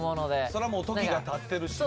それはもう時がたってるしな。